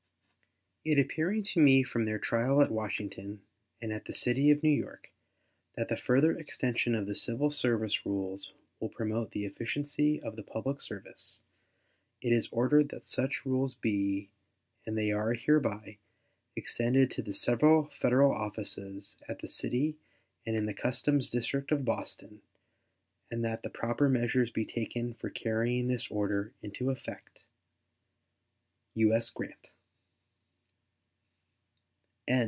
It appearing to me from their trial at Washington and at the city of New York that the further extension of the civil service rules will promote the efficiency of the public service, it is ordered that such rules be, and they are hereby, extended to the several Federal offices at the city and in the customs district of Boston, and that the proper measures be taken for carrying this order into effect. U.S. GRANT.